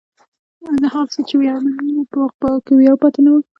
هغه څه چې ویاړمن و، په هغه کې ویاړ پاتې نه و.